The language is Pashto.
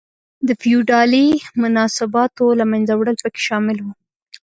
د فیوډالي مناسباتو له منځه وړل پکې شامل و.